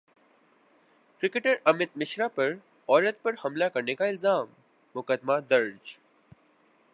cricketer Amit Mishra پر عورت پر حملہ کرنے کا الزام مقدمہ درج